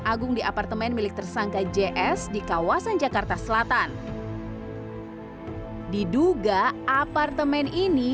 agung di apartemen milik tersangka js di kawasan jakarta selatan diduga apartemen ini